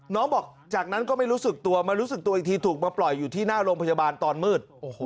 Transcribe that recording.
บอกจากนั้นก็ไม่รู้สึกตัวมารู้สึกตัวอีกทีถูกมาปล่อยอยู่ที่หน้าโรงพยาบาลตอนมืด